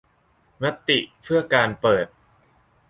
มติเพื่อการเปิด